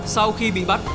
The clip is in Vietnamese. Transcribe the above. sau khi bị bắt